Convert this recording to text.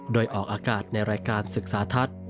โดยออกอากาศในรายการศึกษาทัศน์